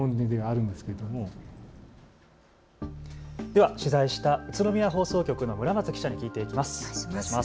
では取材した宇都宮放送局の村松記者に聞いていきます。